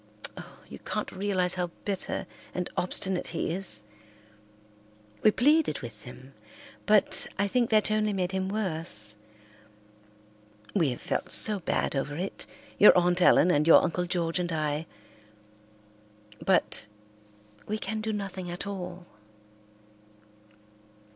Oh, you can't realize how bitter and obstinate he is. We pleaded with him, but I think that only made him worse. We have felt so bad over it, your Aunt Ellen and your Uncle George and I, but we can do nothing at all."